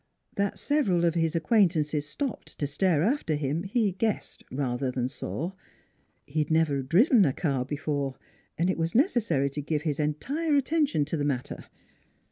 NEIGHBORS 95 That several of his acquaintances stopped to stare after him he guessed rather than saw. He had never driven a car before, and it was neces sary to give his entire attention to the matter.